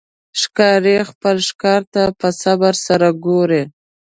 ښکاري خپل ښکار ته په صبر سره ګوري.